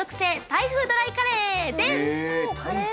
タイ風ドライカレー。